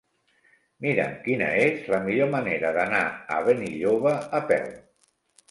Mira'm quina és la millor manera d'anar a Benilloba a peu.